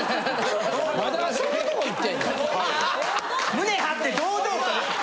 胸張って堂々と。